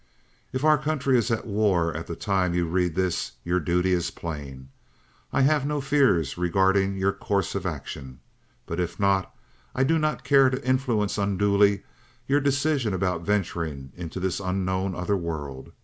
"'If our country is at war at the time you read this, your duty is plain. I have no fears regarding your course of action. But if not, I do not care to influence unduly your decision about venturing into this unknown other world.